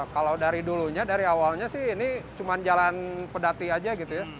kalau dari dulunya dari awalnya sih ini cuma jalan pedati aja gitu ya